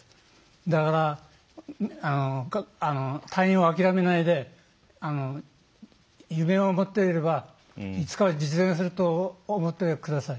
だから、退院を諦めないで夢を持っていれば、いつかは実現すると思ってください。